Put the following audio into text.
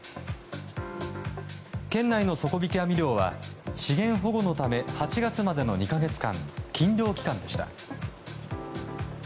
県内の底引き網漁は資源保護のため８月までの２か月間禁漁期間でした。